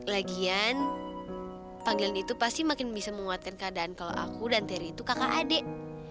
lagian panggilan itu pasti makin bisa menguatkan keadaan kalau aku dan teri itu kakak adik